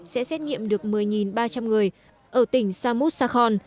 sẽ xét nghiệm được một mươi ba trăm linh người ở tỉnh samut sakon